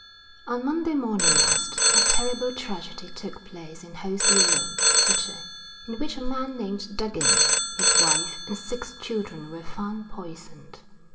On Monday morning last, a terrible tragedy took place in Hosier lane, City, in which a man named Duggin, his wife, and six children were found poisoned.